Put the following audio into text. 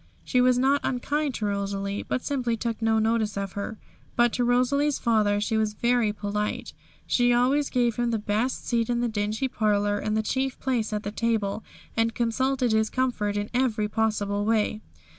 She was not unkind to Rosalie, but simply took no notice of her. But to Rosalie's father she was very polite; she always gave him the best seat in the dingy parlour, and the chief place at table, and consulted his comfort in every possible way.